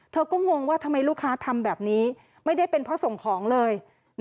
เธอก็งงว่าทำไมลูกค้าทำแบบนี้ไม่ได้เป็นเพราะส่งของเลย